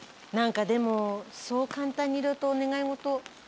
何かでもそう簡単にお願い事。